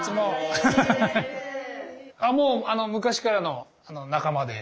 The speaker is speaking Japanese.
もう昔からの仲間で。